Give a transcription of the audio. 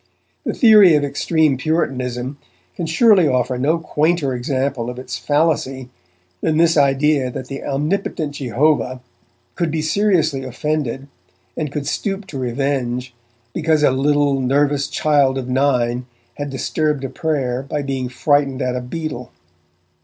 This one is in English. The theory of extreme Puritanism can surely offer no quainter example of its fallacy than this idea that the omnipotent Jehovah could be seriously offended, and could stoop to revenge, because a little, nervous child of nine had disturbed a prayer by being frightened at a beetle.